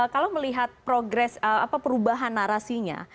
kalau melihat progress perubahan narasinya